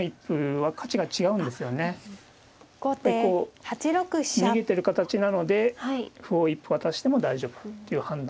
やはりこう逃げてる形なので歩を一歩渡しても大丈夫っていう判断ですね。